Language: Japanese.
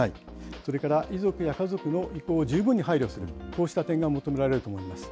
それから遺族や家族の意向を十分に配慮する、こうした点が求められると思います。